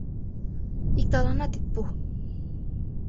Иктыланат ит пу.